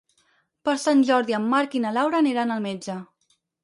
Per Sant Jordi en Marc i na Laura aniran al metge.